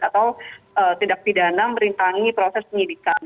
atau tindak pidana merintangi proses penyidikan